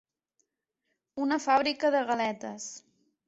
Una fàbrica de galetes.